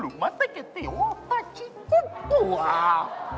ไปคนเดียว